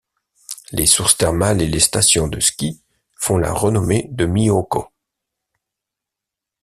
Les sources thermales et les stations de ski font la renommée de Myōkō.